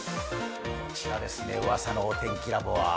こちらですね、うわさのお天気ラボは。